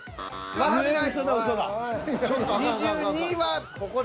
まだ出ない。